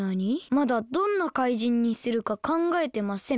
「まだどんなかいじんにするかかんがえてません。